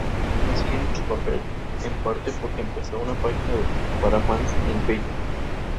La serie fue filmada en los barrios de Lugano, Puerto Madero y Barrio Norte.